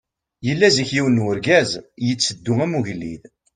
Yella zik yiwen n urgaz, yetteddu am ugellid.